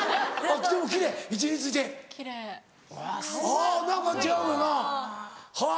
あ何か違うよなはぁ。